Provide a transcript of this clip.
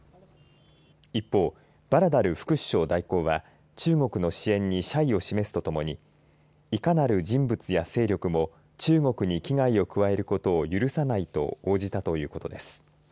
一方、バラダル副首相代行は中国の支援に謝意を示すとともにいかなる人物や勢力も中国に危害を加えることを許さないと応じたということです。